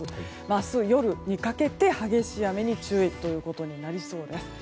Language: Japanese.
明日夜にかけて、激しい雨に注意となりそうです。